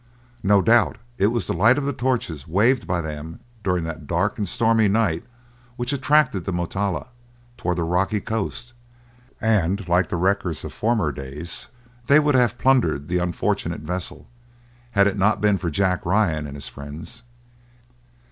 No doubt it was the light of torches waved by them during that dark and stormy night which attracted the Motala towards the rocky coast, and like the wreckers of former days, they would have plundered the unfortunate vessel, had it not been for Jack Ryan and his friends.